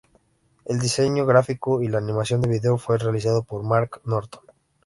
El diseño gráfico y la animación de video fue realizado por Mark Norton.